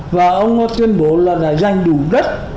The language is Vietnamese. và ông tuyên bố là giành đủ đất